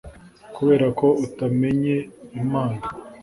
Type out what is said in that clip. kubera ko utamenye Imana